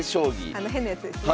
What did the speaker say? あの変なやつですね。